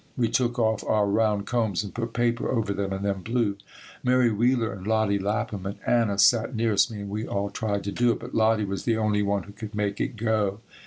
We took off our round combs and put paper over them and then blew Mary Wheeler and Lottie Lapham and Anna sat nearest me and we all tried to do it, but Lottie was the only one who could make it go.